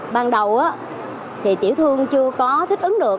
ban đầu thì tiểu thương chưa có thích ứng được